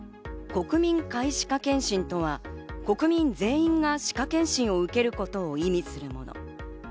国民皆歯科検診とは国民全員が歯科検診を受けることを意味します。